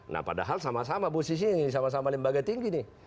nah padahal sama sama posisi sama sama lembaga tinggi nih